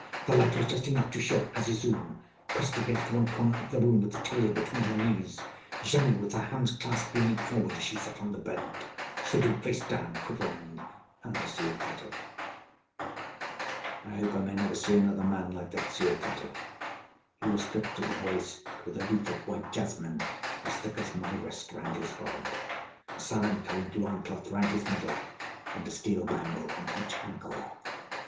The light was just enough to show Azizun, pressed against one corner of the room with the terrier between her knees; Janoo, with her hands clasped, leaning forward as she sat on the bed; Suddhoo, face down, quivering, and the seal cutter. I hope I may never see another man like that seal cutter. He was stripped to the waist, with a wreath of white jasmine as thick as my wrist round his forehead, a salmon colored loin cloth round his middle, and a steel bangle on each ankle.